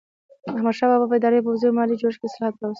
احمدشاه بابا په اداري، پوځي او مالي جوړښت کې اصلاحات راوستل.